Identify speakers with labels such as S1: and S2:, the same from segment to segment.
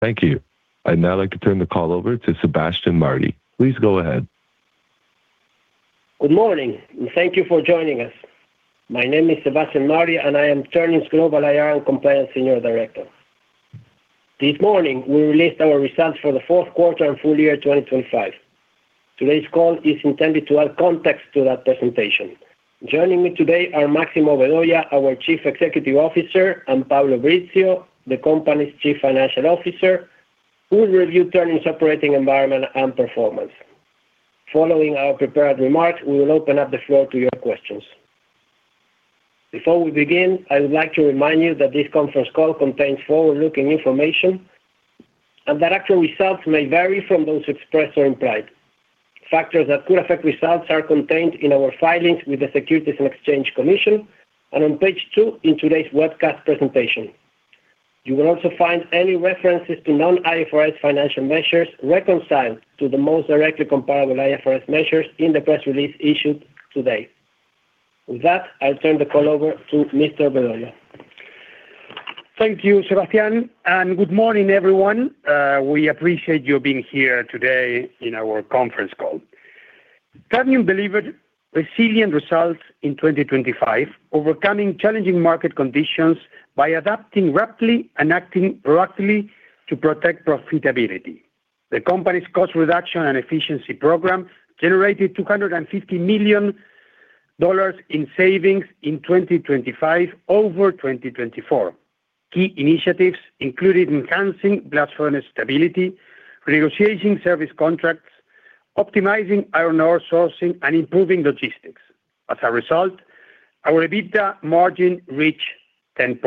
S1: Thank you. I'd now like to turn the call over to Sebastián Martí. Please go ahead.
S2: Good morning, and thank you for joining us. My name is Sebastián Martí, and I am Ternium's Global IR and Compliance Senior Director. This morning, we released our results for the fourth quarter and full year 2025. Today's call is intended to add context to that presentation. Joining me today are Máximo Vedoya, our Chief Executive Officer, and Pablo Brizzio, the company's Chief Financial Officer, who will review Ternium's operating environment and performance. Following our prepared remarks, we will open up the floor to your questions. Before we begin, I would like to remind you that this conference call contains forward-looking information, and that actual results may vary from those expressed or implied. Factors that could affect results are contained in our filings with the Securities and Exchange Commission, and on page 2 in today's webcast presentation. You will also find any references to non-IFRS financial measures reconciled to the most directly comparable IFRS measures in the press release issued today. With that, I'll turn the call over to Mr. Vedoya.
S3: Thank you, Sebastián, and good morning, everyone. We appreciate you being here today in our conference call. Ternium delivered resilient results in 2025, overcoming challenging market conditions by adapting rapidly and acting proactively to protect profitability. The company's cost reduction and efficiency program generated $250 million in savings in 2025 over 2024. Key initiatives included enhancing blast furnace stability, renegotiating service contracts, optimizing iron ore sourcing, and improving logistics. As a result, our EBITDA margin reached 10%.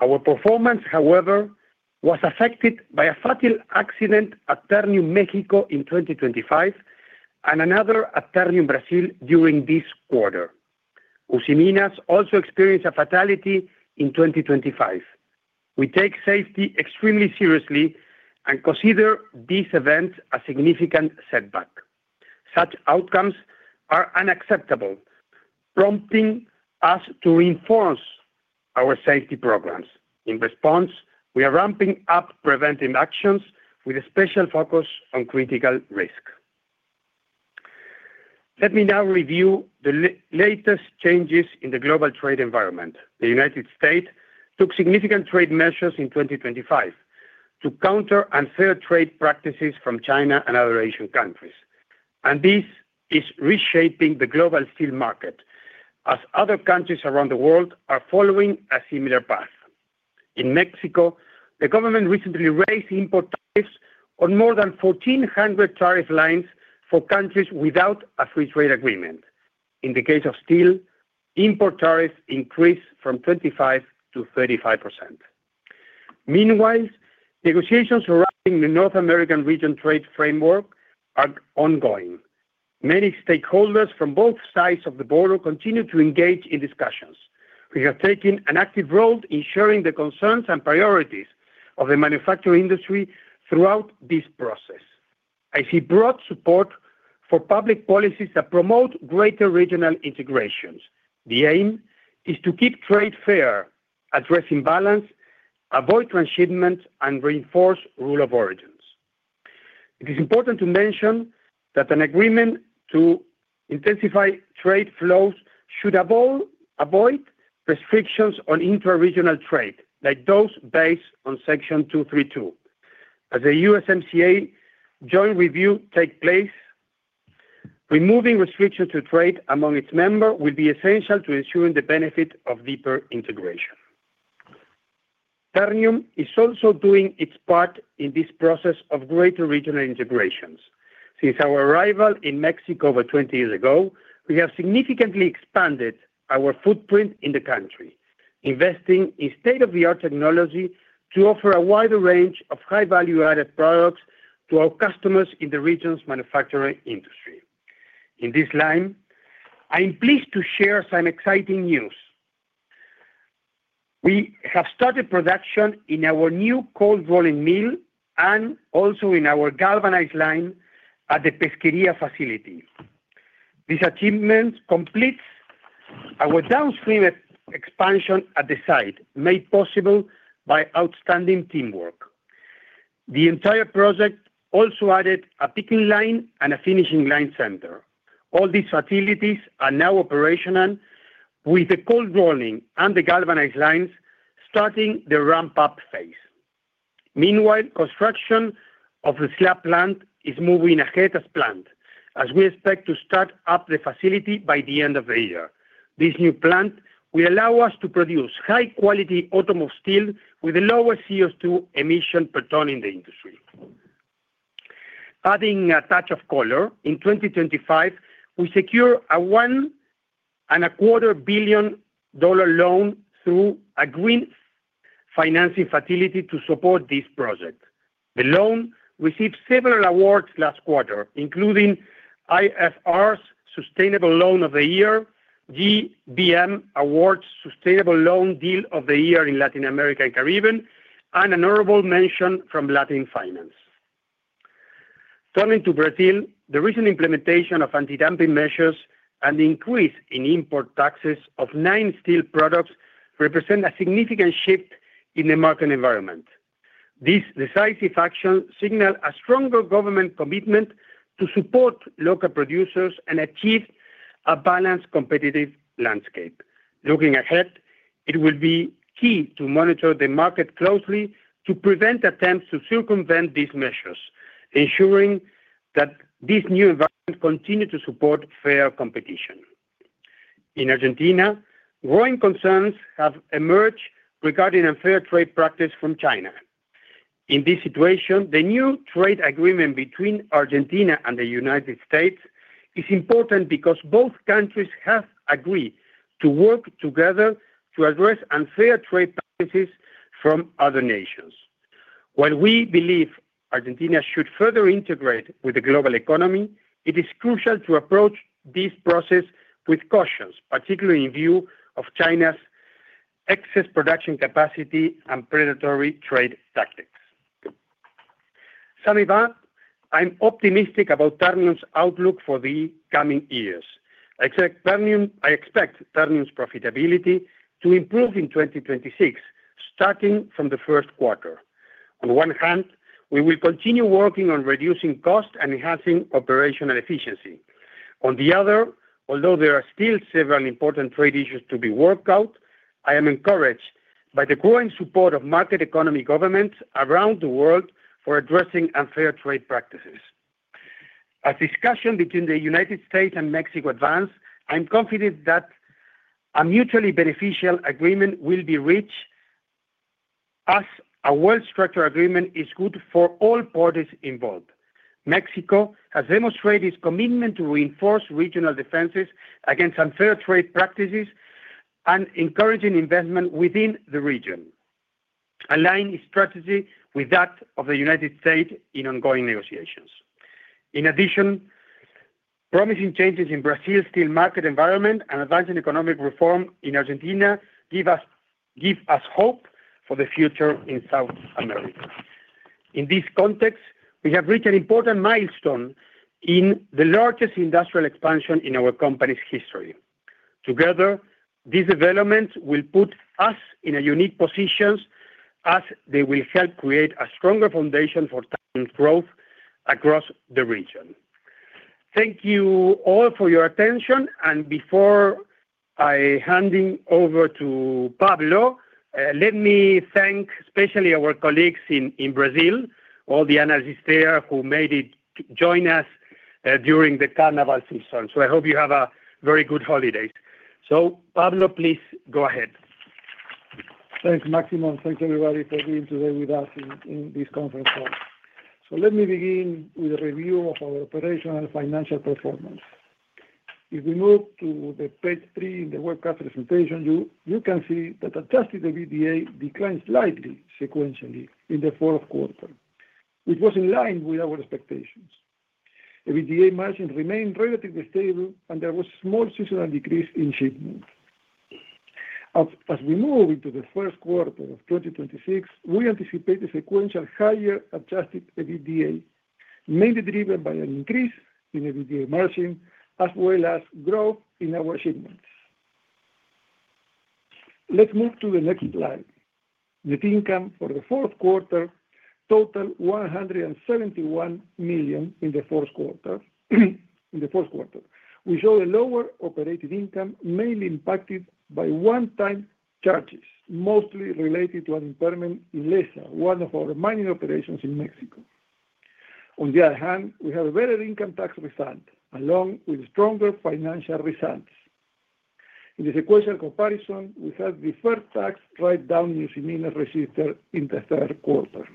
S3: Our performance, however, was affected by a fatal accident at Ternium Mexico in 2025, and another at Ternium Brazil during this quarter. Usiminas also experienced a fatality in 2025. We take safety extremely seriously and consider these events a significant setback. Such outcomes are unacceptable, prompting us to reinforce our safety programs. In response, we are ramping up preventive actions with a special focus on critical risk. Let me now review the latest changes in the global trade environment. The United States took significant trade measures in 2025 to counter unfair trade practices from China and other Asian countries. This is reshaping the global steel market as other countries around the world are following a similar path. In Mexico, the government recently raised import tariffs on more than 1,400 tariff lines for countries without a free trade agreement. In the case of steel, import tariffs increased from 25%-35%. Meanwhile, negotiations surrounding the North American region trade framework are ongoing. Many stakeholders from both sides of the border continue to engage in discussions. We have taken an active role in sharing the concerns and priorities of the manufacturing industry throughout this process. I see broad support for public policies that promote greater regional integrations. The aim is to keep trade fair, addressing balance, avoid transshipment, and reinforce rule of origins. It is important to mention that an agreement to intensify trade flows should avoid restrictions on intra-regional trade, like those based on Section 232. As the USMCA joint review take place, removing restrictions to trade among its member will be essential to ensuring the benefit of deeper integration. Ternium is also doing its part in this process of greater regional integrations. Since our arrival in Mexico over 20 years ago, we have significantly expanded our footprint in the country, investing in state-of-the-art technology to offer a wider range of high-value added products to our customers in the region's manufacturing industry. In this line, I'm pleased to share some exciting news. We have started production in our new cold rolling mill and also in our galvanized line at the Pesquería facility. This achievement completes our downstream expansion at the site, made possible by outstanding teamwork. The entire project also added a pickling line and a finishing line center. All these facilities are now operational, with the cold rolling and the galvanized lines starting the ramp-up phase. Meanwhile, construction of the slab plant is moving ahead as planned, as we expect to start up the facility by the end of the year. This new plant will allow us to produce high-quality automotive steel with the lowest CO2 emission per ton in the industry. Adding a touch of color, in 2025, we secure a $1.25 billion loan through a green financing facility to support this project. The loan received several awards last quarter, including IFR's Sustainable Loan of the Year, GBM Awards Sustainable Loan Deal of the Year in Latin America and Caribbean, and an honorable mention from Latin Finance. Turning to Brazil, the recent implementation of anti-dumping measures and the increase in import taxes of 9 steel products represent a significant shift in the market environment. This decisive action signal a stronger government commitment to support local producers and achieve a balanced, competitive landscape. Looking ahead, it will be key to monitor the market closely to prevent attempts to circumvent these measures, ensuring that this new environment continue to support fair competition. In Argentina, growing concerns have emerged regarding unfair trade practice from China. In this situation, the new trade agreement between Argentina and the United States is important because both countries have agreed to work together to address unfair trade practices from other nations. While we believe Argentina should further integrate with the global economy, it is crucial to approach this process with caution, particularly in view of China's excess production capacity and predatory trade tactics. Summing up, I'm optimistic about Ternium's outlook for the coming years. I expect Ternium's profitability to improve in 2026, starting from the first quarter. On one hand, we will continue working on reducing costs and enhancing operational efficiency. On the other, although there are still several important trade issues to be worked out, I am encouraged by the growing support of market economy governments around the world for addressing unfair trade practices. As discussion between the United States and Mexico advance, I'm confident that a mutually beneficial agreement will be reached, as a well-structured agreement is good for all parties involved. Mexico has demonstrated its commitment to reinforce regional defenses against unfair trade practices and encouraging investment within the region, aligning its strategy with that of the United States in ongoing negotiations. In addition, promising changes in Brazil's steel market environment and advancing economic reform in Argentina give us hope for the future in South America. In this context, we have reached an important milestone in the largest industrial expansion in our company's history. Together, these developments will put us in a unique position as they will help create a stronger foundation for Ternium's growth across the region. Thank you all for your attention, and before I hand over to Pablo, let me thank especially our colleagues in Brazil, all the analysts there who made it to join us during the carnival season. So I hope you have a very good holiday. Pablo, please go ahead.
S4: Thanks, Máximo. Thanks, everybody, for being today with us in this conference call. So let me begin with a review of our operational and financial performance. If we move to page 3 in the webcast presentation, you can see that adjusted EBITDA declined slightly sequentially in the fourth quarter, which was in line with our expectations. EBITDA margin remained relatively stable, and there was a small seasonal decrease in shipments. As we move into the first quarter of 2026, we anticipate a sequentially higher adjusted EBITDA, mainly driven by an increase in EBITDA margin, as well as growth in our shipments. Let's move to the next slide. Net income for the fourth quarter totaled $171 million in the fourth quarter. We saw a lower operating income, mainly impacted by one-time charges, mostly related to an impairment in Lesa, one of our mining operations in Mexico. On the other hand, we have a better income tax refund, along with stronger financial results. In this sequential comparison, we have the first tax write-down in Usiminas registered in the third quarter.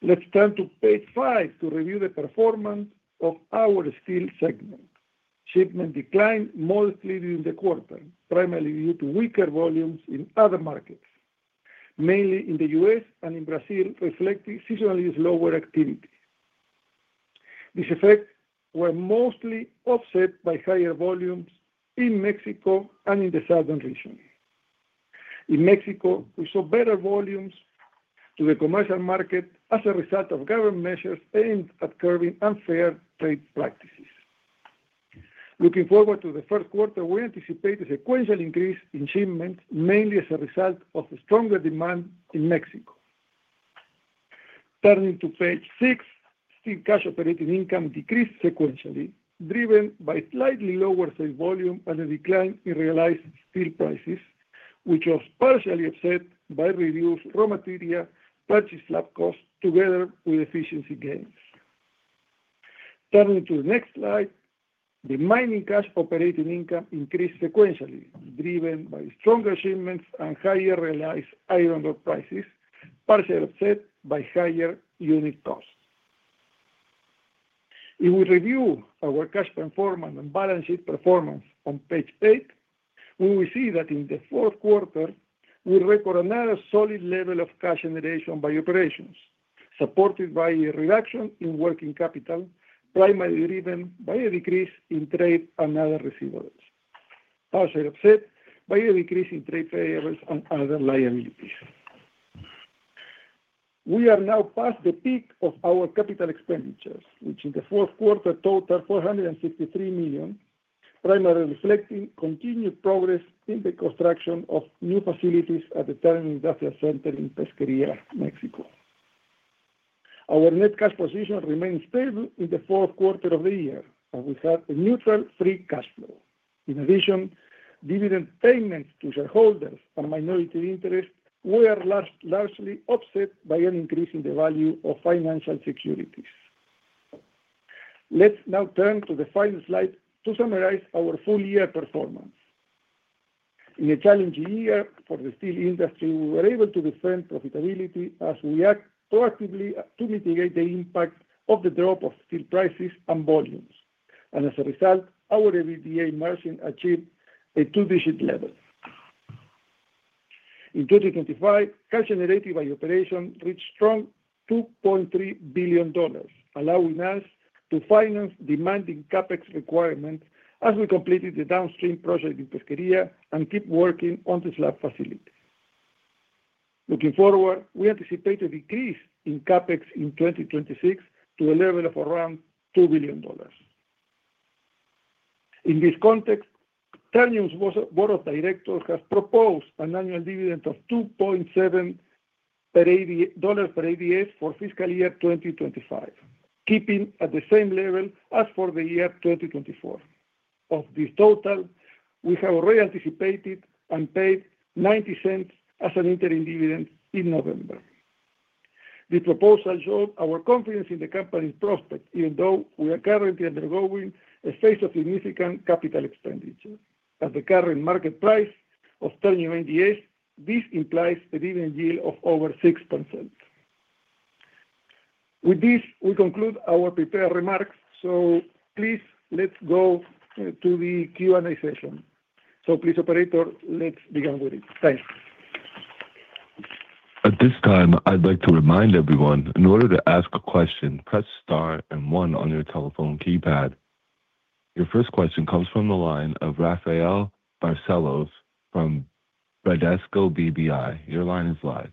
S4: Let's turn to page 5 to review the performance of our steel segment. Shipment declined mostly during the quarter, primarily due to weaker volumes in other markets, mainly in the US and in Brazil, reflecting seasonally lower activity. These effects were mostly offset by higher volumes in Mexico and in the southern region. In Mexico, we saw better volumes to the commercial market as a result of government measures aimed at curbing unfair trade practices. Looking forward to the first quarter, we anticipate a sequential increase in shipments, mainly as a result of the stronger demand in Mexico. Turning to page 6, steel cash operating income decreased sequentially, driven by slightly lower sales volume and a decline in realized steel prices, which was partially offset by reduced raw material, purchased slab costs, together with efficiency gains. Turning to the next slide, the mining cash operating income increased sequentially, driven by stronger shipments and higher realized iron ore prices, partially offset by higher unit costs. If we review our cash performance and balance sheet performance on page 8, we will see that in the fourth quarter, we record another solid level of cash generation by operations, supported by a reduction in working capital, primarily driven by a decrease in trade and other receivables. Partially offset by a decrease in trade payables and other liabilities. We are now past the peak of our capital expenditures, which in the fourth quarter totaled $453 million, primarily reflecting continued progress in the construction of new facilities at the Ternium Industrial Center in Pesquería, Mexico. Our net cash position remained stable in the fourth quarter of the year, and we had a neutral free cash flow. In addition, dividend payments to shareholders and minority interests were largely offset by an increase in the value of financial securities. Let's now turn to the final slide to summarize our full year performance. In a challenging year for the steel industry, we were able to defend profitability as we act proactively to mitigate the impact of the drop of steel prices and volumes. And as a result, our EBITDA margin achieved a two-digit level. In 2025, cash generated by operation reached strong $2.3 billion, allowing us to finance demanding CapEx requirements as we completed the downstream project in Pesquería and keep working on the slab facility. Looking forward, we anticipate a decrease in CapEx in 2026 to a level of around $2 billion. In this context, Ternium's board of directors has proposed an annual dividend of $2.7 dollars per ADS for fiscal year 2025, keeping at the same level as for the year 2024. Of this total, we have already anticipated and paid $0.90 as an interim dividend in November. The proposal shows our confidence in the company's prospects, even though we are currently undergoing a phase of significant capital expenditure. At the current market price of Ternium ADS, this implies a dividend yield of over 6%. With this, we conclude our prepared remarks, so please, let's go to the Q&A session. So please, operator, let's begin with it. Thanks.
S1: At this time, I'd like to remind everyone, in order to ask a question, press Star and 1 on your telephone keypad. Your first question comes from the line of Rafael Barcellos from Bradesco BBI. Your line is live.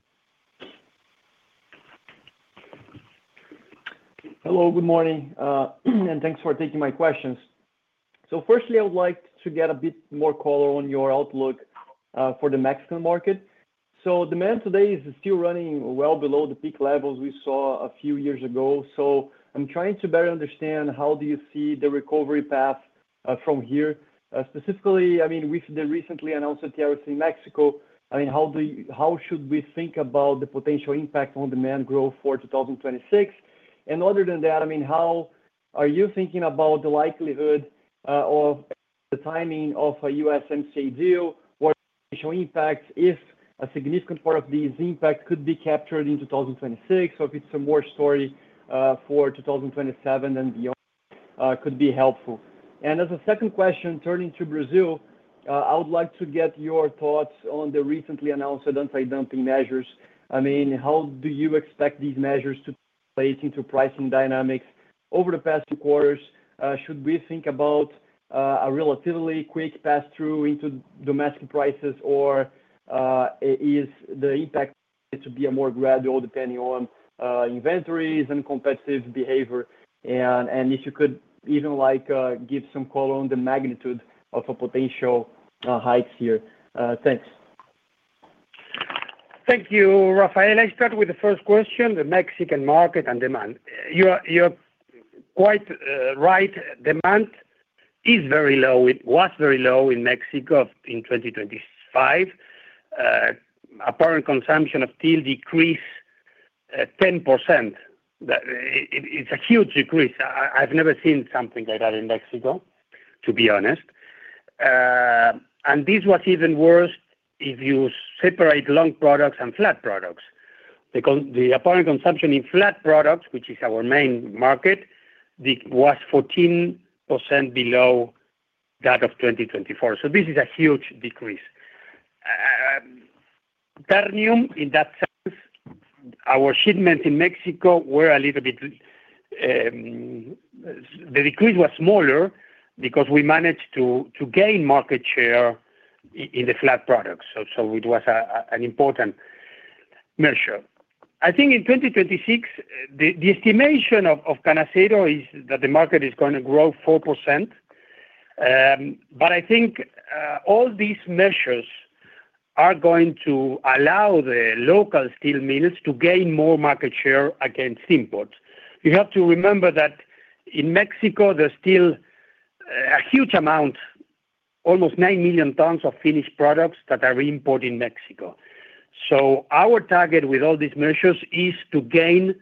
S5: Hello, good morning, and thanks for taking my questions. So firstly, I would like to get a bit more color on your outlook for the Mexican market. So demand today is still running well below the peak levels we saw a few years ago. So I'm trying to better understand how do you see the recovery path from here? Specifically, I mean, with the recently announced TRQ in Mexico, I mean, how should we think about the potential impact on demand growth for 2026? And other than that, I mean, how are you thinking about the likelihood of the timing of a USMCA deal? What potential impact, if a significant part of this impact could be captured in 2026? So if it's a more story for 2027 and beyond, could be helpful. And as a second question, turning to Brazil, I would like to get your thoughts on the recently announced anti-dumping measures. I mean, how do you expect these measures to play into pricing dynamics over the past two quarters? Should we think about a relatively quick pass-through into domestic prices, or is the impact to be a more gradual, depending on inventories and competitive behavior? And, and if you could even like give some color on the magnitude of a potential hikes here. Thanks.
S3: Thank you, Rafael. I start with the first question, the Mexican market and demand. You're quite right, demand is very low. It was very low in Mexico in 2025. Apparent consumption of steel decreased 10%. It's a huge decrease. I've never seen something like that in Mexico, to be honest. And this was even worse if you separate long products and flat products. The apparent consumption in flat products, which is our main market, was 14% below that of 2024. So this is a huge decrease. Ternium, in that sense, our shipments in Mexico were a little bit. The decrease was smaller because we managed to gain market share in the flat products. So it was an important measure. I think in 2026, the estimation of CANACERO is that the market is gonna grow 4%. But I think all these measures are going to allow the local steel mills to gain more market share against imports. You have to remember that in Mexico, there's still a huge amount, almost 9 million tons of finished products that are imported in Mexico. So our target with all these measures is to gain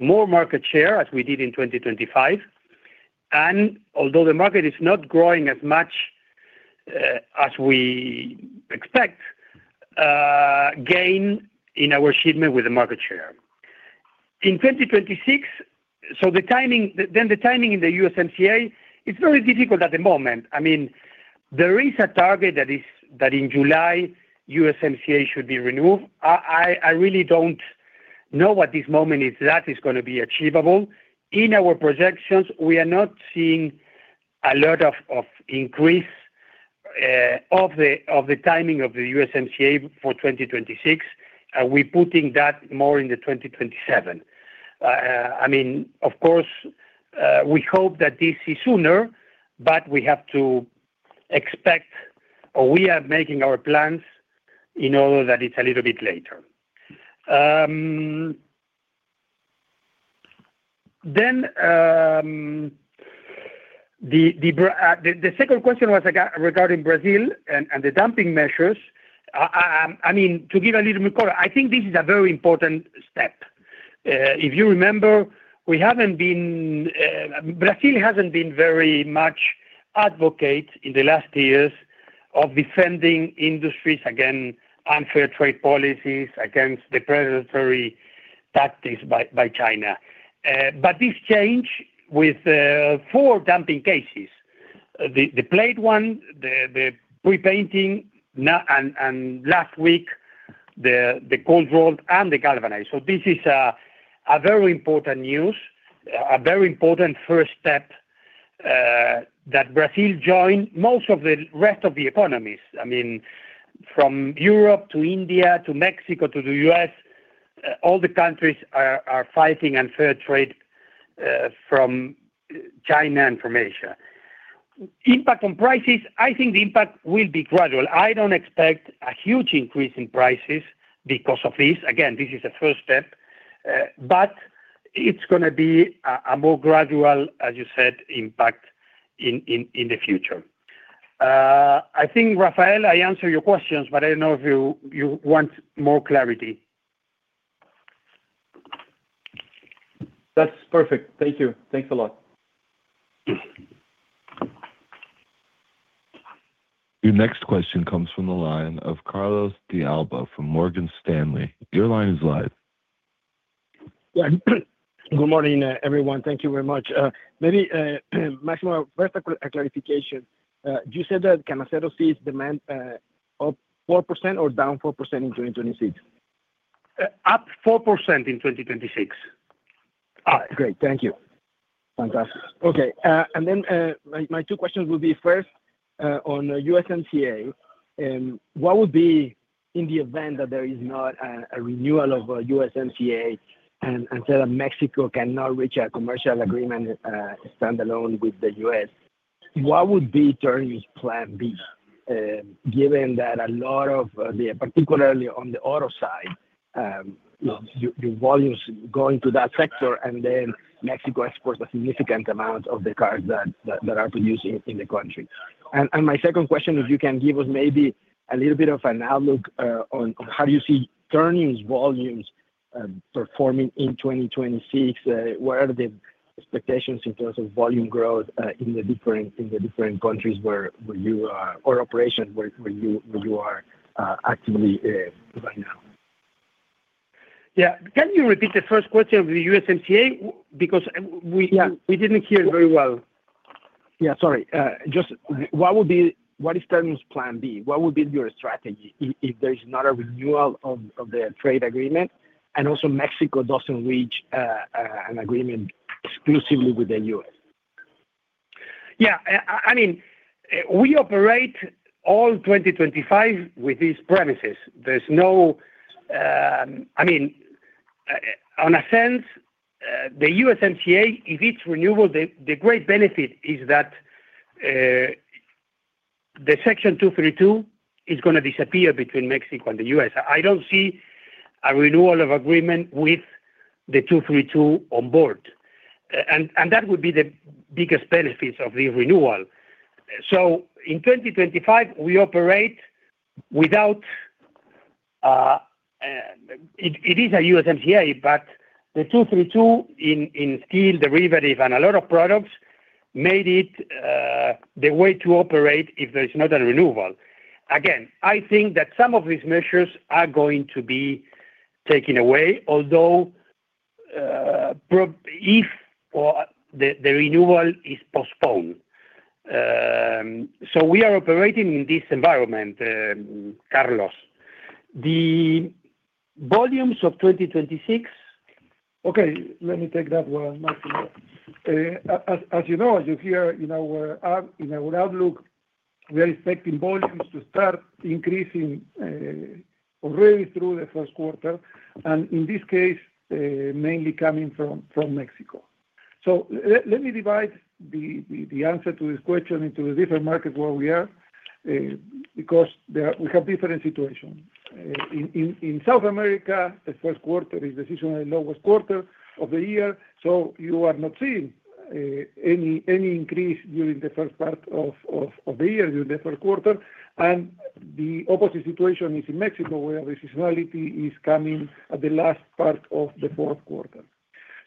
S3: more market share, as we did in 2025, and although the market is not growing as much as we expect, gain in our shipment with the market share. In 2026. So the timing, then the timing in the USMCA, it's very difficult at the moment. I mean, there is a target that is, that in July, USMCA should be renewed. I really don't know at this moment is that is going to be achievable. In our projections, we are not seeing a lot of increase of the timing of the USMCA for 2026, and we're putting that more in the 2027. I mean, of course, we hope that this is sooner, but we have to expect, or we are making our plans in order that it's a little bit later. Then, the second question was regarding Brazil and the dumping measures. I mean, to give a little more color, I think this is a very important step. If you remember, we haven't been, Brazil hasn't been very much advocate in the last years of defending industries against unfair trade policies, against the predatory practices by, by China. But this change with four dumping cases. The plate one, the pre-painting, now, and last week, the cold rolled and the galvanize. So this is a very important news, a very important first step, that Brazil joined most of the rest of the economies. I mean, from Europe to India, to Mexico to the US, all the countries are fighting unfair trade, from China and from Asia. Impact on prices, I think the impact will be gradual. I don't expect a huge increase in prices because of this. Again, this is a first step, but it's gonna be a more gradual, as you said, impact in the future. I think, Rafael, I answer your questions, but I don't know if you want more clarity.
S5: That's perfect. Thank you. Thanks a lot.
S1: Your next question comes from the line of Carlos de Alba from Morgan Stanley. Your line is live.
S6: Yeah, good morning, everyone. Thank you very much. Maybe, Máximo, first a clarification. You said that CANACERO sees demand up 4% or down 4% in 2026?
S3: Up 4% in 2026.
S6: Great. Thank you. Fantastic. Okay, my two questions will be, first, on USMCA, what would be in the event that there is not a renewal of USMCA, and so that Mexico cannot reach a commercial agreement standalone with the US, what would be Ternium's plan B, given that a lot of, particularly on the auto side, you know, your volumes going to that sector, and Mexico exports a significant amount of the cars that are produced in the country? My second question is, you can give us maybe a little bit of an outlook on how you see Ternium's volumes performing in 2026. What are the expectations in terms of volume growth in the different countries where you are or operations where you are actively right now?
S3: Yeah. Can you repeat the first question of the USMCA? Because, we-
S6: Yeah
S3: we didn't hear very well.
S6: Yeah, sorry. Just what would be—what is Ternium's plan B? What would be your strategy if there is not a renewal of the trade agreement, and also Mexico doesn't reach an agreement exclusively with the US?
S3: Yeah, I mean, we operate all 2025 with these premises. There's no. I mean, in a sense, the USMCA, if it's renewable, the great benefit is that the Section 232 is gonna disappear between Mexico and the US. I don't see a renewal of agreement with the 232 on board. And that would be the biggest benefits of the renewal. So in 2025, we operate without. It is a USMCA, but the 232 in steel derivatives and a lot of products made it the way to operate if there is not a renewal. Again, I think that some of these measures are going to be taken away, although probably if the renewal is postponed. So we are operating in this environment, Carlos. The volumes of 2026-
S4: Okay, let me take that one, Máximo. As you know, as you hear in our outlook, we are expecting volumes to start increasing already through the first quarter, and in this case, mainly coming from Mexico. So let me divide the answer to this question into the different markets where we are, because we have different situations. In South America, the first quarter is traditionally the lowest quarter of the year, so you are not seeing any increase during the first part of the year, during the first quarter. The opposite situation is in Mexico, where the seasonality is coming at the last part of the fourth quarter.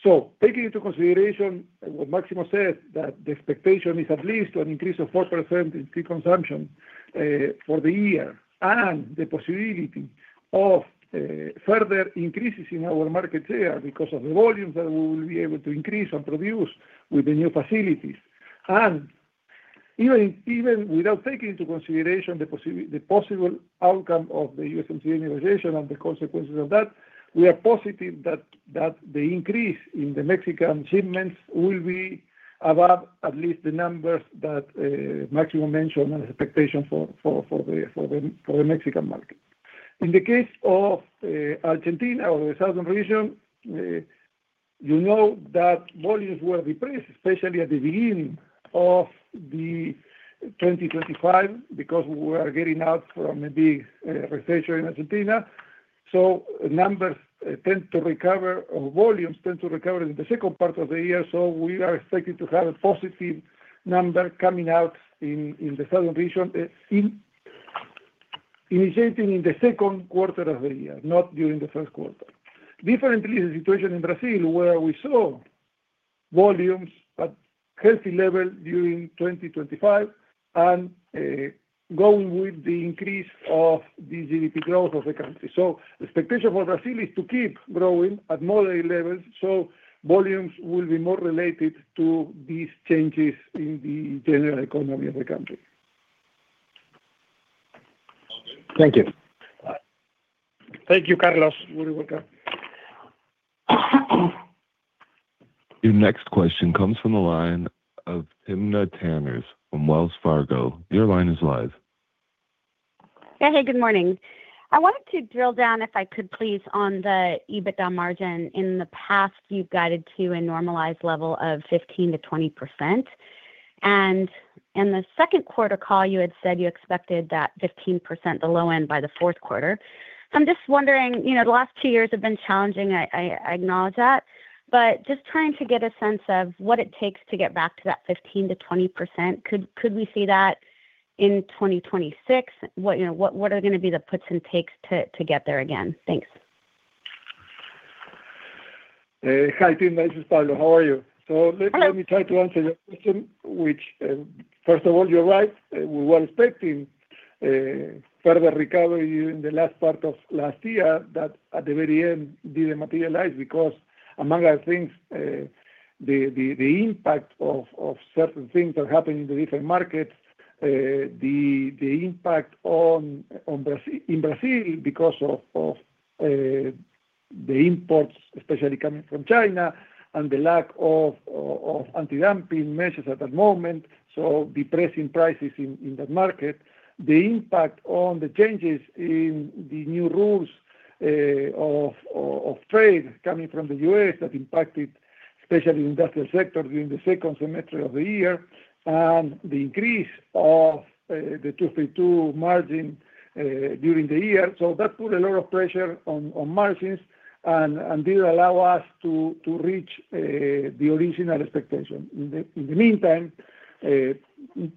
S4: So taking into consideration what Máximo said, that the expectation is at least an increase of 4% in pre-consumption, for the year, and the possibility of further increases in our market share because of the volumes that we will be able to increase and produce with the new facilities, and even without taking into consideration the possible outcome of the USMCA negotiation and the consequences of that, we are positive that the increase in the Mexican shipments will be above at least the numbers that Máximo mentioned and expectation for the Mexican market. In the case of Argentina or the southern region, you know that volumes were depressed, especially at the beginning of 2025, because we were getting out from a big recession in Argentina. So numbers tend to recover or volumes tend to recover in the second part of the year. So we are expecting to have a positive number coming out in the southern region, initiating in the second quarter of the year, not during the first quarter. Differently, the situation in Brazil, where we saw volumes at healthy level during 2025 and, going with the increase of the GDP growth of the country. So the expectation for Brazil is to keep growing at moderate levels, so volumes will be more related to these changes in the general economy of the country.
S6: Thank you.
S4: Thank you, Carlos. You're welcome.
S1: Your next question comes from the line of Timna Tanners from Wells Fargo. Your line is live.
S7: Yeah. Hey, good morning. I wanted to drill down, if I could please, on the EBITDA margin. In the past, you've guided to a normalized level of 15%-20%, and in the second quarter call, you had said you expected that 15%, the low end, by the fourth quarter. So I'm just wondering, you know, the last two years have been challenging. I acknowledge that, but just trying to get a sense of what it takes to get back to that 15%-20%. Could we see that in 2026? You know, what are gonna be the puts and takes to get there again? Thanks.
S4: Hi, Timna, this is Pablo. How are you?
S7: Hi.
S4: So let me try to answer your question, which, first of all, you're right. We were expecting further recovery in the last part of last year, that at the very end didn't materialize, because among other things, the impact of certain things that happened in the different markets, the impact on Brazil—in Brazil, because of the imports, especially coming from China and the lack of anti-dumping measures at that moment, so depressing prices in that market. The impact on the changes in the new rules of trade coming from the US that impacted especially industrial sectors during the second semester of the year, and the increase of the 232 margin during the year. So that put a lot of pressure on margins and didn't allow us to reach the original expectation. In the meantime,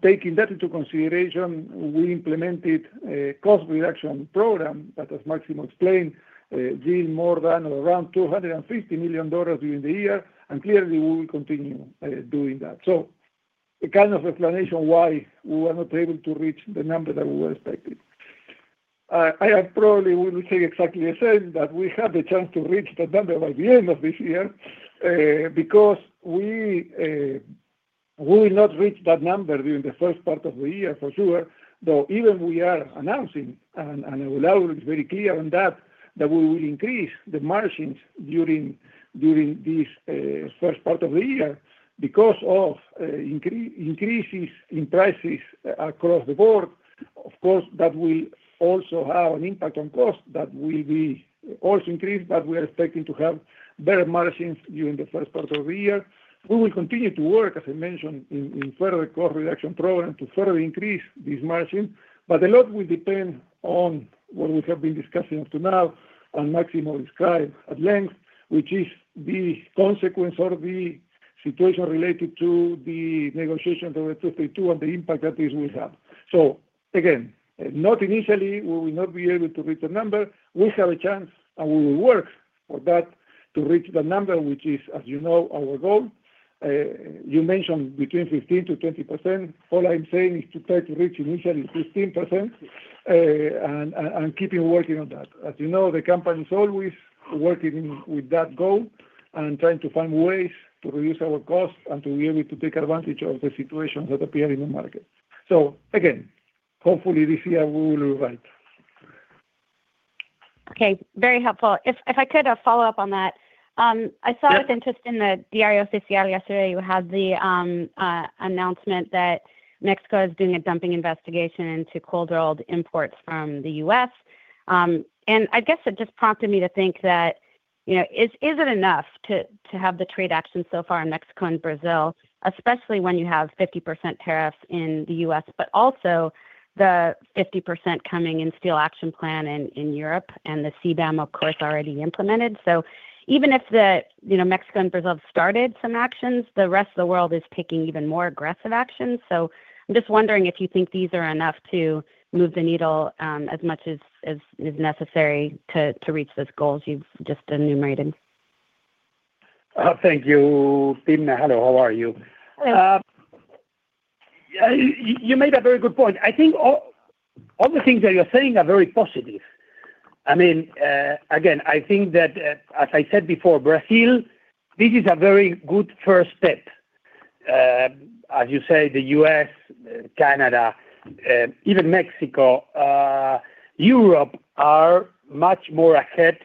S4: taking that into consideration, we implemented a cost reduction program that, as Máximo explained, doing more than around $250 million during the year, and clearly we will continue doing that. So a kind of explanation why we were not able to reach the number that we were expecting. I probably will say exactly the same, that we have the chance to reach the number by the end of this year, because we, we will not reach that number during the first part of the year for sure, though even we are announcing, and, and I will always be very clear on that, that we will increase the margins during, during this, first part of the year because of, increases in prices across the board. Of course, that will also have an impact on cost, that will be also increased, but we are expecting to have better margins during the first part of the year. We will continue to work, as I mentioned, in further cost reduction program to further increase these margins, but a lot will depend on what we have been discussing up to now, and Máximo described at length, which is the consequence or the situation related to the negotiations over two three two and the impact that this will have. So again, not initially, we will not be able to reach the number. We have a chance, and we will work for that to reach the number, which is, as you know, our goal. You mentioned between 15%-20%. All I'm saying is to try to reach initially 15%, and keeping working on that. As you know, the company is always working with that goal and trying to find ways to reduce our costs and to be able to take advantage of the situations that appear in the market. So again, hopefully, this year we will revise.
S7: Okay, very helpful. If I could follow up on that. I saw-
S4: Yeah.
S7: -with interest in the Diario Oficial yesterday. You had the, announcement that Mexico is doing a dumping investigation into cold-rolled imports from the US and I guess it just prompted me to think that, you know, is, is it enough to, to have the trade action so far in Mexico and Brazil, especially when you have 50% tariffs in the US, but also the 50% coming in Steel Action Plan in, in Europe and the CBAM, of course, already implemented? So even if the, you know, Mexico and Brazil started some actions, the rest of the world is taking even more aggressive actions. So I'm just wondering if you think these are enough to move the needle, as much as, as is necessary to, to reach those goals you've just enumerated.
S3: Thank you, Timna. Hello, how are you?
S7: Hi.
S3: You made a very good point. I think all the things that you're saying are very positive. I mean, again, I think that, as I said before, Brazil, this is a very good first step. As you say, the US, Canada, and even Mexico, Europe, are much more ahead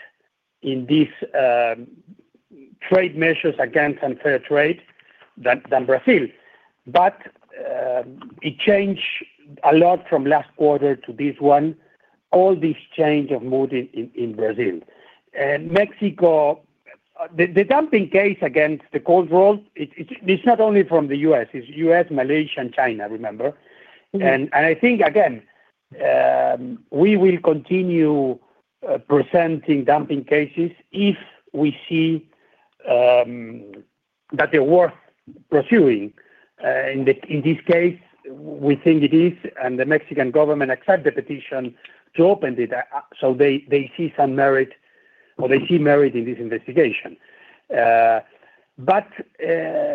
S3: in these, trade measures against unfair trade than Brazil. But, it changed a lot from last quarter to this one, all this change of mood in Brazil. And Mexico, the dumping case against the cold roll, it's not only from the US, it's US, Malaysia, and China, remember. And I think again, we will continue presenting dumping cases if we see that they're worth pursuing. In this case, we think it is, and the Mexican government accept the petition to open it up. So they see some merit, or they see merit in this investigation. But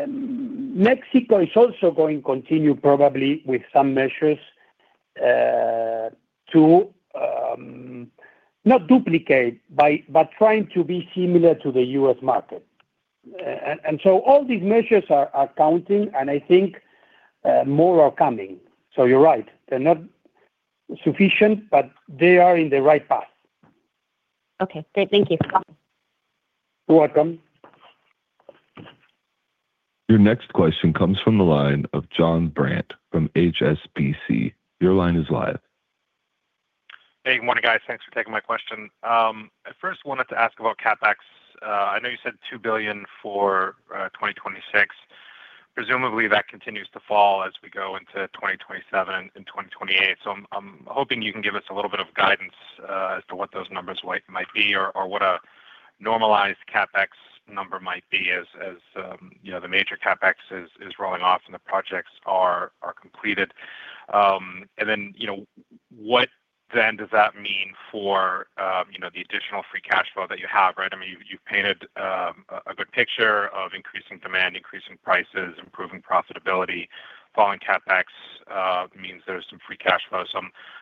S3: Mexico is also going to continue probably with some measures to not duplicate by trying to be similar to the US market. And so all these measures are counting, and I think more are coming. So you're right, they're not sufficient, but they are in the right path.
S7: Okay, great. Thank you. Bye.
S3: You're welcome.
S1: Your next question comes from the line of John Brandt from HSBC. Your line is live.
S8: Hey, good morning, guys. Thanks for taking my question. I first wanted to ask about CapEx. I know you said $2 billion for 2026. Presumably, that continues to fall as we go into 2027 and 2028. So I'm, I'm hoping you can give us a little bit of guidance, as to what those numbers might, might be, or, or what a normalized CapEx number might be, as, as, you know, the major CapEx is, is rolling off and the projects are, are completed. And then, you know, what then does that mean for, you know, the additional free cash flow that you have, right? I mean, you've painted, a, a good picture of increasing demand, increasing prices, improving profitability. Falling CapEx means there's some free cash flow. So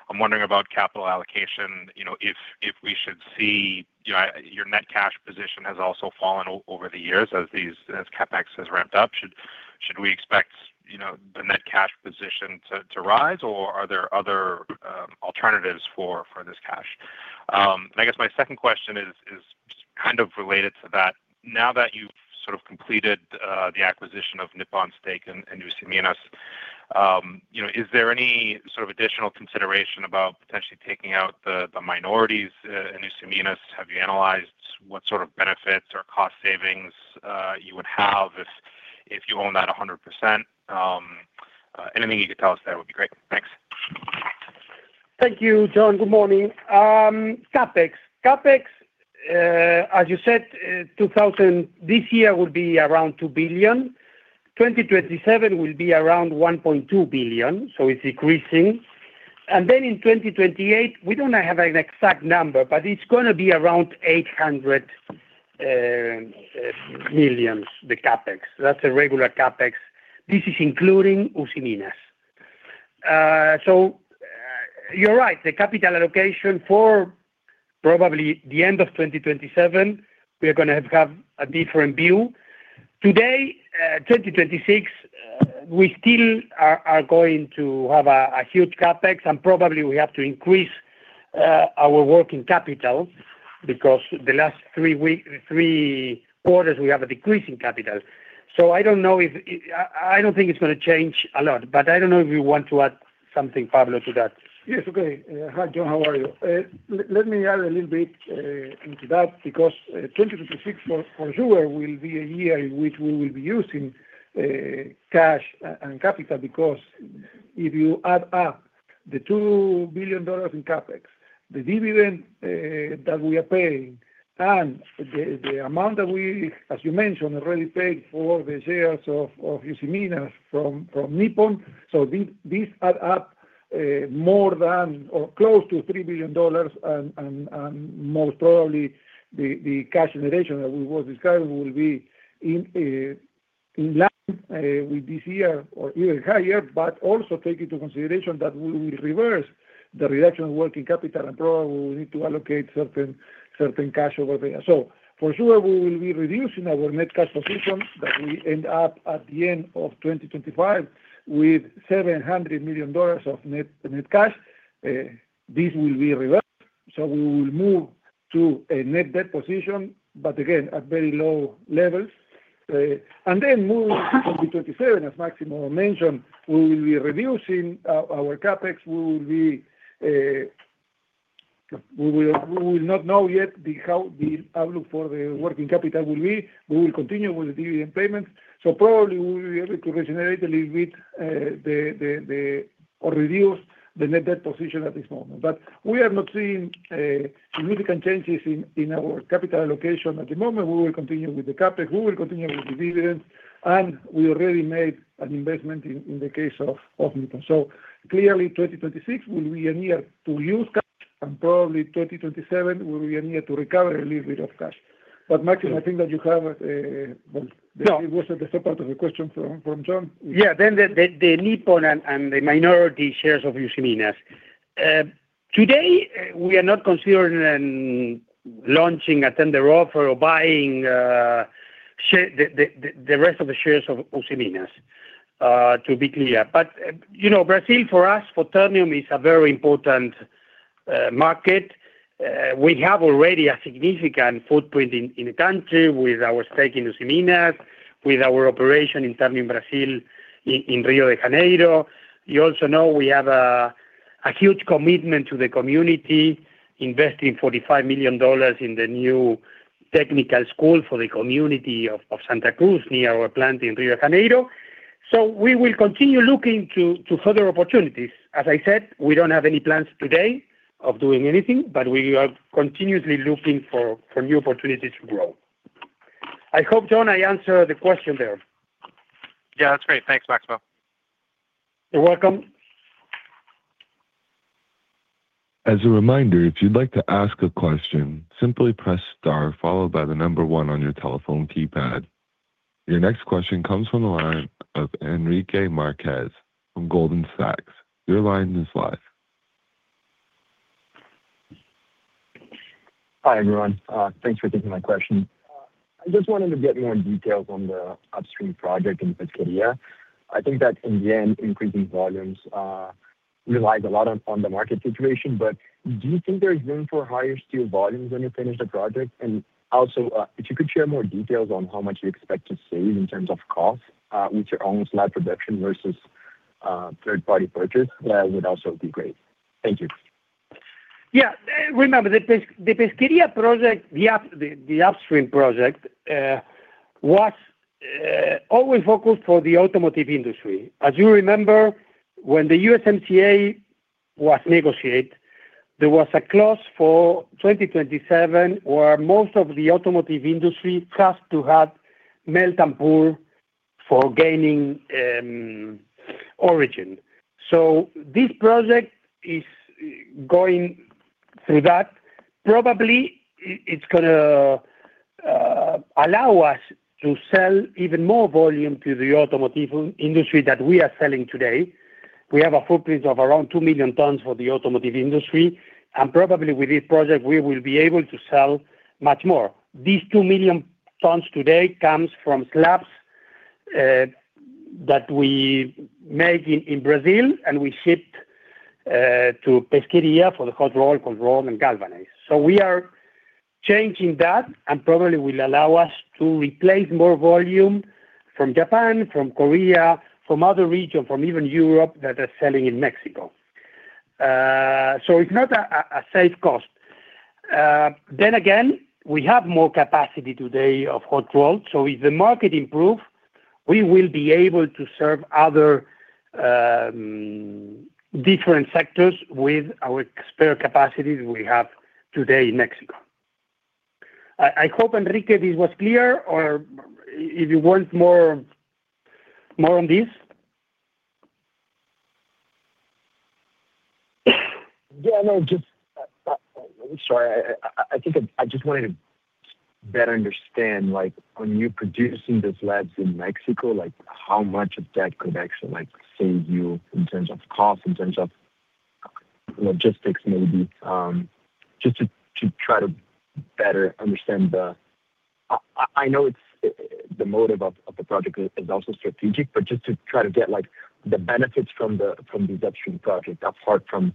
S8: I'm wondering about capital allocation, you know, if we should see, you know, your net cash position has also fallen over the years as these, as CapEx has ramped up. Should we expect, you know, the net cash position to rise, or are there other alternatives for this cash? And I guess my second question is kind of related to that. Now that you've sort of completed the acquisition of Nippon Steel and Usiminas, you know, is there any sort of additional consideration about potentially taking out the minorities in Usiminas? Have you analyzed what sort of benefits or cost savings you would have if you own that 100%? Anything you could tell us there would be great. Thanks.
S3: Thank you, John. Good morning. CapEx. CapEx, as you said, this year will be around $2 billion. 2027 will be around $1.2 billion, so it's increasing. In 2028, we don't have an exact number, but it's gonna be around $800 million, the CapEx. That's a regular CapEx. This is including Usiminas. You're right, the capital allocation for probably the end of 2027, we're gonna have a different view. Today, 2026, we still are going to have a huge CapEx, and probably we have to increase our working capital because the last three quarters, we have a decrease in capital. I don't know if—I don't think it's gonna change a lot, but I don't know if you want to add something, Pablo, to that.
S4: Yes, okay. Hi, John, how are you? Let me add a little bit into that, because 2026 for sure will be a year in which we will be using cash and capital. Because if you add up the $2 billion in CapEx, the dividend that we are paying and the amount that we, as you mentioned, already paid for the shares of Usiminas from Nippon. So these add up more than or close to $3 billion, and most probably, the cash generation that we were describing will be in line with this year or even higher, but also take into consideration that we will reverse the reduction in working capital, and probably we will need to allocate certain cash over there. So for sure, we will be reducing our net cash position, that we end up at the end of 2025 with $700 million of net cash. This will be reversed, so we will move to a net debt position, but again, at very low levels. And then moving 2027, as Máximo mentioned, we will be reducing our CapEx. We will be, we will not know yet how the outlook for the working capital will be. We will continue with the dividend payments, so probably we will be able to generate a little bit, or reduce the net debt position at this moment. But we are not seeing significant changes in our capital allocation at the moment. We will continue with the CapEx, we will continue with dividends, and we already made an investment in, in the case of, of Nippon. So clearly, 2026 will be a year to use cash, and probably 2027 will be a year to recover a little bit of cash. But Máximo, I think that you have a, a-
S3: No.
S4: It was the second part of the question from John?
S3: Yeah, then the Nippon and the minority shares of Usiminas. Today, we are not considering and launching a tender offer or buying the rest of the shares of Usiminas, to be clear. But, you know, Brazil, for us, for Ternium, is a very important market. We have already a significant footprint in the country with our stake in Usiminas, with our operation in Ternium Brazil, in Rio de Janeiro. You also know we have a huge commitment to the community, investing $45 million in the new technical school for the community of Santa Cruz, near our plant in Rio de Janeiro. So we will continue looking to further opportunities. As I said, we don't have any plans today of doing anything, but we are continuously looking for new opportunities to grow. I hope, John, I answered the question there.
S8: Yeah, that's great. Thanks, Máximo.
S3: You're welcome.
S1: As a reminder, if you'd like to ask a question, simply press star followed by the number one on your telephone keypad. Your next question comes from the line of Henrique Marquez from Goldman Sachs. Your line is live.
S9: Hi, everyone. Thanks for taking my question. I just wanted to get more details on the upstream project in Pesquería. I think that in the end, increasing volumes relies a lot on the market situation. But do you think there is room for higher steel volumes when you finish the project? And also, if you could share more details on how much you expect to save in terms of cost with your own slab production versus third-party purchase, that would also be great. Thank you.
S3: Yeah, remember, the Pesquería project, the upstream project, was always focused for the automotive industry. As you remember, when the USMCA was negotiated, there was a clause for 2027, where most of the automotive industry has to have melt and pour for gaining origin. So this project is going through that. Probably, it's gonna allow us to sell even more volume to the automotive industry that we are selling today. We have a footprint of around 2 million tons for the automotive industry, and probably with this project, we will be able to sell much more. These 2 million tons today comes from slabs that we make in Brazil, and we ship to Pesquería for the hot roll, cold roll, and galvanize. So we are changing that and probably will allow us to replace more volume from Japan, from Korea, from other regions, from even Europe, that are selling in Mexico. So it's not a safe cost. Then again, we have more capacity today of hot roll, so if the market improve, we will be able to serve other different sectors with our spare capacities we have today in Mexico. I hope, Enrique, this was clear, or if you want more, more on this?
S9: Yeah, no, just, sorry, I think I just wanted to better understand, like, when you're producing the slabs in Mexico, like, how much of that could actually, like, save you in terms of cost, in terms of logistics, maybe? Just to try to better understand the. I know it's, the motive of the project is also strategic, but just to try to get, like, the benefits from the, from the downstream project, apart from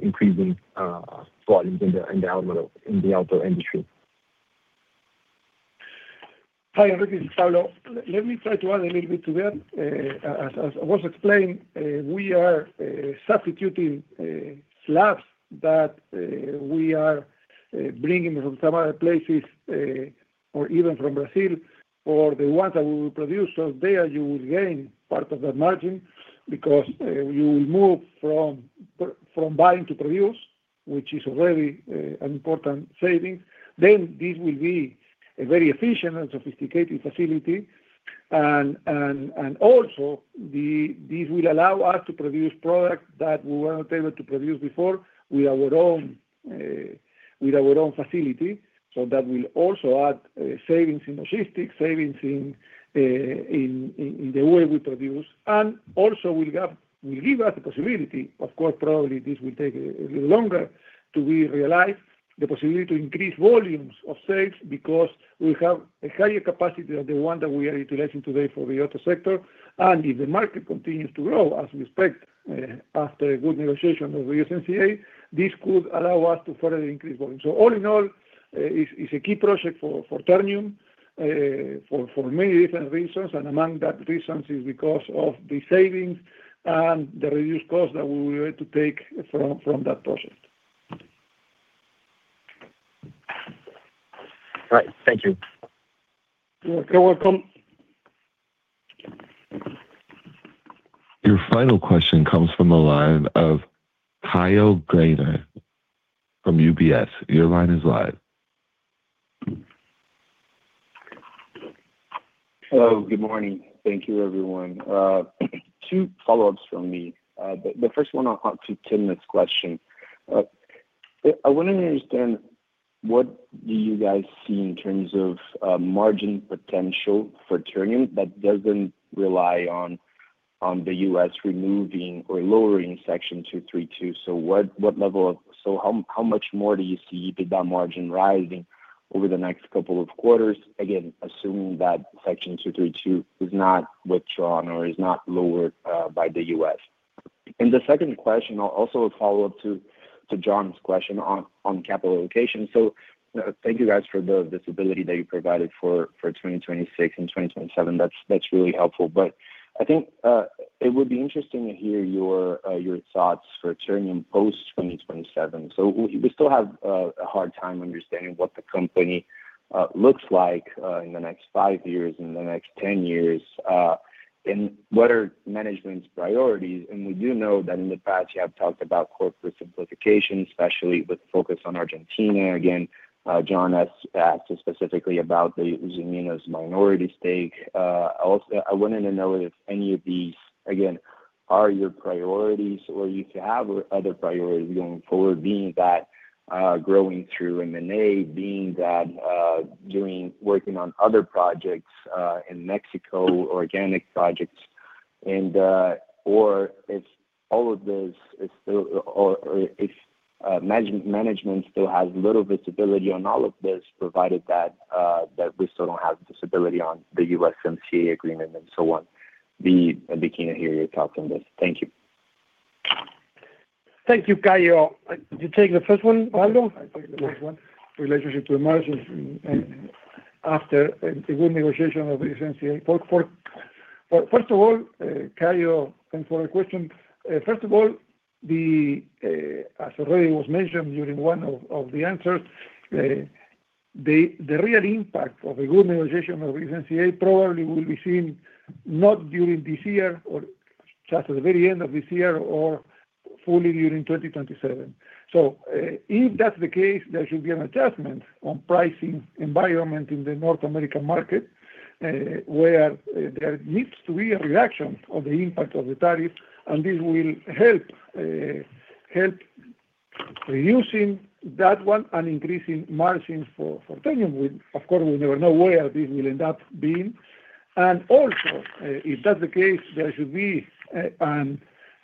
S9: increasing volumes in the auto industry.
S4: Hi, Enrique, it's Pablo. Let me try to add a little bit to that. As was explained, we are substituting slabs that we are bringing from some other places, or even from Brazil, or the ones that we will produce. So there you will gain part of the margin because you will move from buying to produce, which is a very important saving. Then this will be a very efficient and sophisticated facility, and also this will allow us to produce products that we weren't able to produce before with our own facility. So that will also add savings in logistics, savings in the way we produce. And also will give us the possibility, of course, probably this will take a little longer to be realized, the possibility to increase volumes of sales because we have a higher capacity of the one that we are utilizing today for the auto sector. And if the market continues to grow, as we expect, after a good negotiation with the USMCA, this could allow us to further increase volume. So all in all, it's a key project for Ternium, for many different reasons, and among that reasons is because of the savings and the reduced cost that we were able to take from that project.
S9: All right. Thank you.
S4: You're welcome.
S1: Your final question comes from the line of Kyle Graeter from UBS. Your line is live.
S10: Hello, good morning. Thank you, everyone. Two follow-ups from me. The first one on to Tim's question. I wanna understand what do you guys see in terms of margin potential for Ternium that doesn't rely on the US removing or lowering Section 232? So what level of— So how much more do you see EBITDA margin rising over the next couple of quarters? Again, assuming that Section 232 is not withdrawn or is not lowered by the US. And the second question, also a follow-up to John's question on capital allocation. So, thank you guys for the visibility that you provided for 2026 and 2027. That's really helpful. But I think it would be interesting to hear your thoughts for Ternium post 2027. So we still have a hard time understanding what the company looks like in the next 5 years, in the next 10 years. And what are management's priorities? We do know that in the past, you have talked about corporate simplification, especially with focus on Argentina. Again, John has asked specifically about the Usiminas minority stake. Also, I wanted to know if any of these, again, are your priorities, or if you have other priorities going forward, being that growing through M&A, being that working on other projects in Mexico, organic projects, and or if all of this is still, or if management still has little visibility on all of this, provided that we still don't have visibility on the USMCA agreement and so on. I'd be keen to hear your thoughts on this. Thank you.
S3: Thank you, Kyle. You take the first one, Pablo?
S4: I'll take the first one. Relationship to the margins, and after a good negotiation of the USMCA. For, for, first of all, Kyle, thanks for the question. First of all, as already was mentioned during one of the answers, the real impact of a good negotiation of USMCA probably will be seen not during this year or just at the very end of this year or fully during 2027. If that's the case, there should be an adjustment on pricing environment in the North American market, where there needs to be a reaction on the impact of the tariff, and this will help, help reducing that one and increasing margins for Ternium. We, of course, we never know where this will end up being. Also, if that's the case, there should be,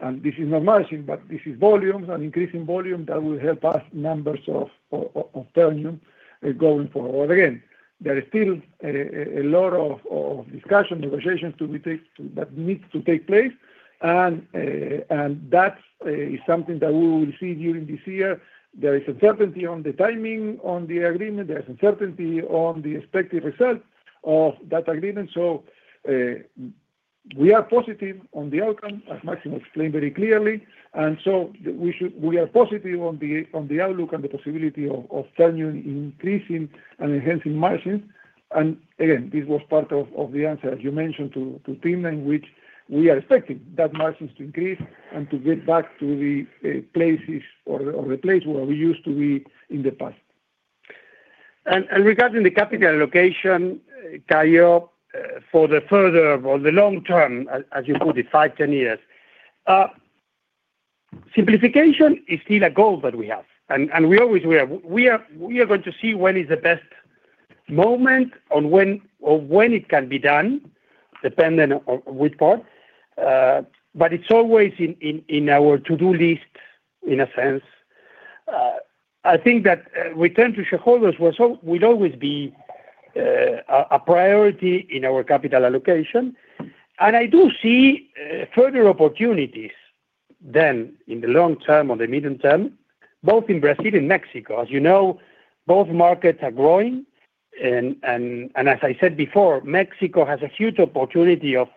S4: and this is not margin, but this is volumes, an increase in volume that will help us numbers of Ternium going forward. Again, there is still a lot of discussion, negotiations that needs to take place, and that is something that we will see during this year. There is uncertainty on the timing, on the agreement, there's uncertainty on the expected result of that agreement. So, we are positive on the outcome, as Máximo explained very clearly. And so we are positive on the outlook and the possibility of Ternium increasing and enhancing margins. Again, this was part of the answer, as you mentioned to Tim, in which we are expecting that margins to increase and to get back to the places or the place where we used to be in the past.
S3: And regarding the capital allocation, Kyle, for the further, or the long term, as you put it, 5, 10 years. Simplification is still a goal that we have, and we always will. We are going to see when is the best moment on when or when it can be done, depending on which part. But it's always in our to-do list, in a sense. I think that return to shareholders will always be a priority in our capital allocation. And I do see further opportunities then in the long term or the medium term, both in Brazil and Mexico. As you know, both markets are growing, and as I said before, Mexico has a huge opportunity of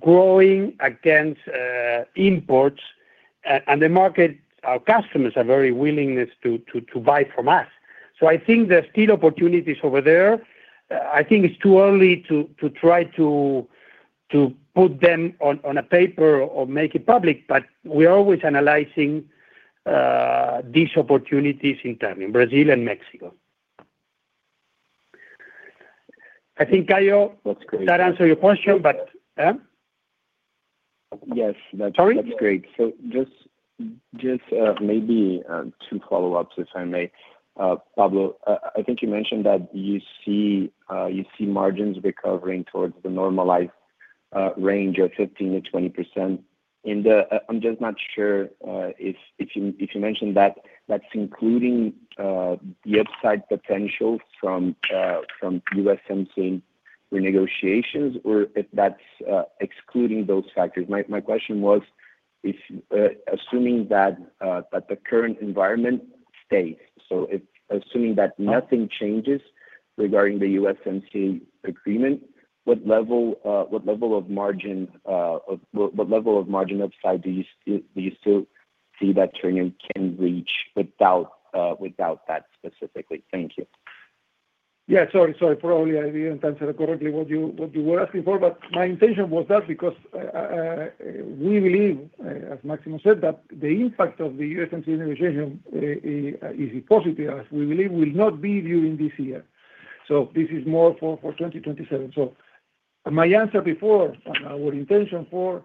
S3: growing against imports, and the market, our customers are very willingness to buy from us. So I think there are still opportunities over there. I think it's too early to try to put them on a paper or make it public, but we're always analyzing these opportunities in time in Brazil and Mexico. I think, Kyle-
S10: Looks great.
S3: That answer your question, but, eh?
S10: Yes, that's-
S3: Sorry?
S10: That's great. So maybe two follow-ups, if I may. Pablo, I think you mentioned that you see margins recovering towards the normalized range of 15%-20%. And I'm just not sure if you mentioned that that's including the upside potential from USMCA renegotiations or if that's excluding those factors. My question was, assuming that the current environment stays, so assuming that nothing changes regarding the USMCA agreement, what level of margin upside do you still see that Ternium can reach without that specifically? Thank you.
S4: Yeah, sorry, sorry, probably I didn't answer correctly what you were asking for, but my intention was that because we believe, as Máximo said, that the impact of the USMCA negotiation is positive, as we believe will not be during this year. So this is more for 2027. So- My answer before and our intention for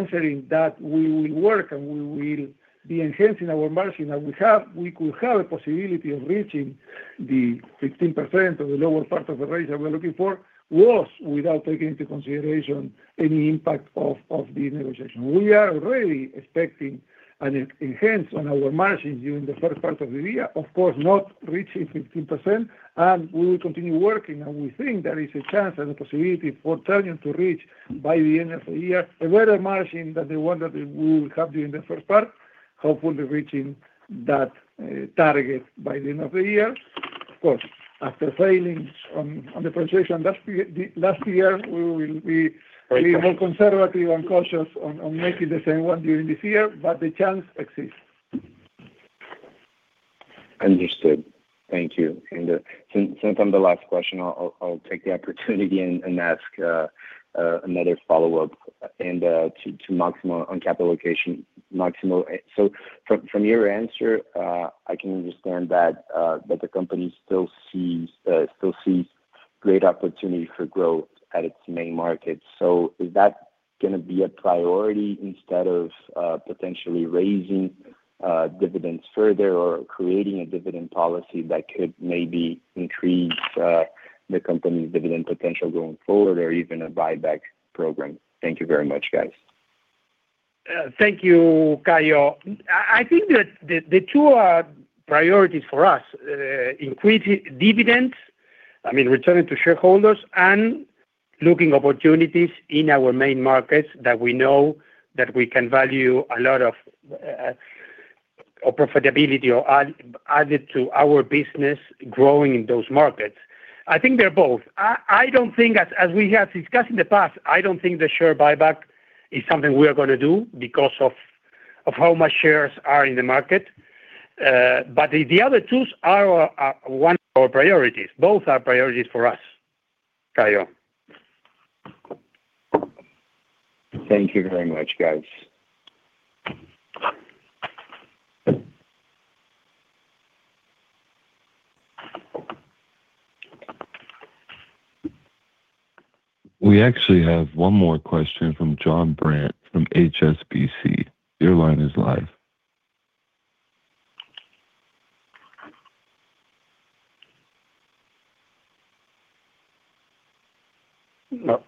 S4: answering that we will work and we will be enhancing our margin that we have, we could have a possibility of reaching the 15% or the lower part of the range that we're looking for, was without taking into consideration any impact of the negotiation. We are really expecting an enhancement on our margins during the first part of the year. Of course, not reaching 15%, and we will continue working, and we think there is a chance and opportunity for Ternium to reach, by the end of the year, a better margin than the one that we will have during the first part, hopefully reaching that target by the end of the year. Of course, after failing on the translation last year, we will be more conservative and cautious on making the same one during this year, but the chance exists.
S10: Understood. Thank you. And since I'm the last question, I'll take the opportunity and ask another follow-up to Máximo on capital allocation. Máximo, so from your answer, I can understand that the company still sees great opportunity for growth at its main market. So is that gonna be a priority instead of potentially raising dividends further or creating a dividend policy that could maybe increase the company's dividend potential going forward or even a buyback program? Thank you very much, guys.
S3: Thank you, Kyle. I think that the two are priorities for us. Increasing dividends, I mean, returning to shareholders and looking opportunities in our main markets that we know that we can value a lot of or profitability or add, added to our business growing in those markets. I think they're both. I don't think as we have discussed in the past, I don't think the share buyback is something we are gonna do because of how much shares are in the market. But the other twos are one of our priorities. Both are priorities for us, Kyle.
S10: Thank you very much, guys.
S1: We actually have one more question from John Brandt, from HSBC. Your line is live.
S8: No.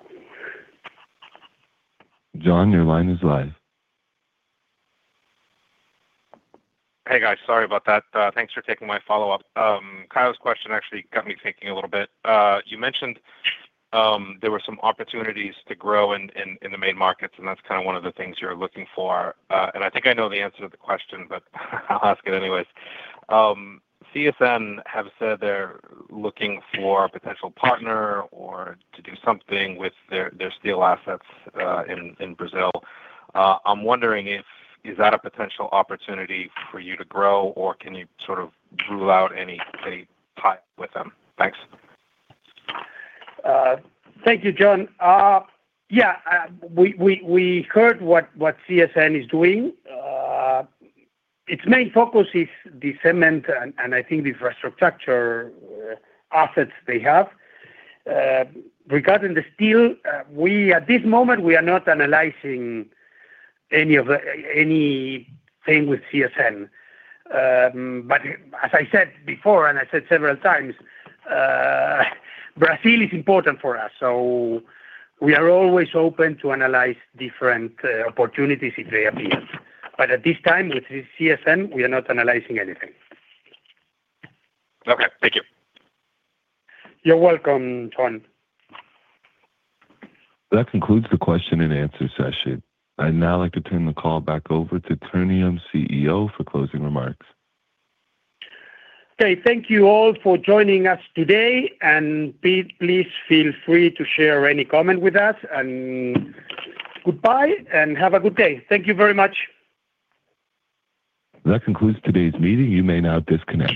S1: John, your line is live.
S8: Hey, guys, sorry about that. Thanks for taking my follow-up. Kyle's question actually got me thinking a little bit. You mentioned there were some opportunities to grow in the main markets, and that's kind of one of the things you're looking for. I think I know the answer to the question, but I'll ask it anyways. CSN have said they're looking for a potential partner or to do something with their steel assets in Brazil. I'm wondering if is that a potential opportunity for you to grow, or can you sort of rule out any potential tie with them? Thanks.
S3: Thank you, John. Yeah, we heard what CSN is doing. Its main focus is the cement and I think the infrastructure assets they have. Regarding the steel, we at this moment are not analyzing anything with CSN. But as I said before, and I said several times, Brazil is important for us, so we are always open to analyze different opportunities if they appear. But at this time, with CSN, we are not analyzing anything.
S8: Okay. Thank you.
S3: You're welcome, John.
S1: That concludes the question and answer session. I'd now like to turn the call back over to Ternium CEO, for closing remarks.
S3: Okay, thank you all for joining us today, and please feel free to share any comment with us, and goodbye, and have a good day. Thank you very much.
S1: That concludes today's meeting. You may now disconnect.